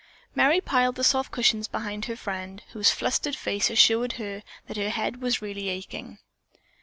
Merry piled the soft cushions behind her friend, whose flushed face assured her that the head was really aching.